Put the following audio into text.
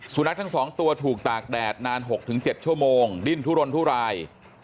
สุนัขทั้ง๒ตัวถูกตากแดดนาน๖๗ชั่วโมงดิ้นทุรนทุราย